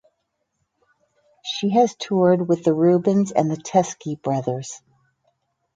She has toured with the Rubens and the Teskey Brothers.